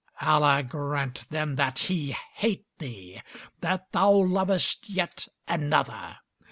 Allah grant, then, that he hate thee! That thou lovest yet another!